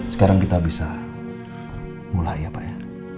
sekarang kita bisa mulai ya pak ya